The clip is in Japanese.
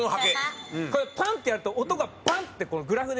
パンッてやると音がパンッてグラフで。